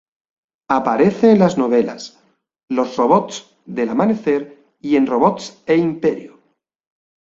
Aparece en las novelas: Los robots del amanecer, y en Robots e Imperio.